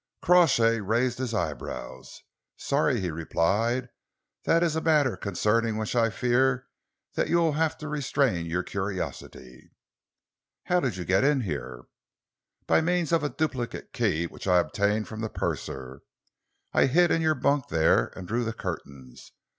Crawshay raised his eyebrows. "Sorry," he replied, "that is a matter concerning which I fear that you will have to restrain your curiosity." "How did you get in here?" "By means of a duplicate key which I obtained from the purser. I hid in your bunk there and drew the curtains.